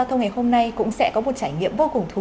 thì gửi anh